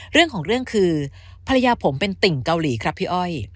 เรื่องของเรื่องคือภรรยาผมเป็นติ่งเกาหลีครับพี่อ้อย